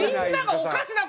おかしな事。